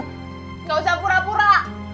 gak usah pura pura